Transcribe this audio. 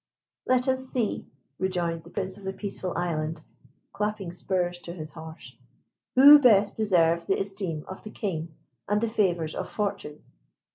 "Let us see," rejoined the Prince of the Peaceful Island, clapping spurs to his horse, "who best deserves the esteem of the King and the favours of Fortune!"